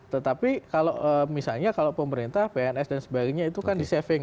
tetapi kalau misalnya kalau pemerintah pns dan sebagainya itu kan di saving